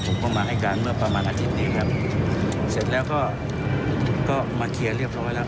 ผมก็มาให้การเมื่อประมาณอาทิตย์นี้ครับเสร็จแล้วก็ก็มาเคลียร์เรียบร้อยแล้ว